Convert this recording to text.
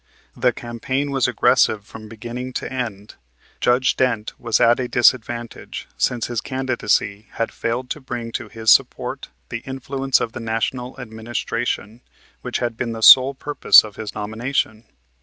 The campaign was aggressive from beginning to end. Judge Dent was at a disadvantage, since his candidacy had failed to bring to his support the influence of the National Administration, which had been the sole purpose of his nomination.